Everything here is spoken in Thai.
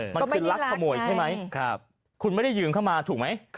มันคือลักขโมยใช่ไหมคุณไม่ได้ยืมเข้ามาถูกไหม